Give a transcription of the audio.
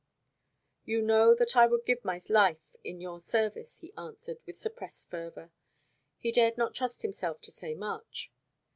"You know that I would give my life in your service," he answered, with suppressed fervour. He dared not trust himself to say much.